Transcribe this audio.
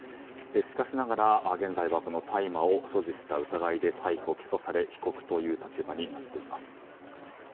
しかしながら現在は大麻を所持した疑いで逮捕・起訴され被告という立場になっています。